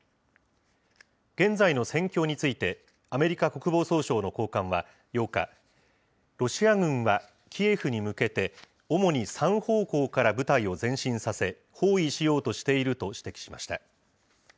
現在の戦況について、アメリカ国防総省の高官は８日、ロシア軍はキエフに向けて主に３方向から部隊を前進させ、包囲しようとしていると指摘しました。